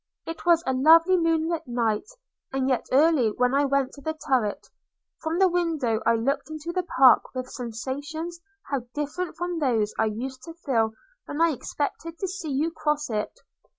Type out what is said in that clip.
It was a lovely moonlight night, and yet early when I went to the turret. From the window I looked into the park, with sensations how different from those I used to feel when I expected to see you cross it!